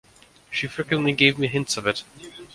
She frequently gave me hints of it.